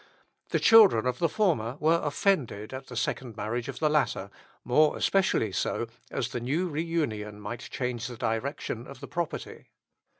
The children of the former were offended at the second marriage of the latter, more especially so as the new reunion might change the direction of the property.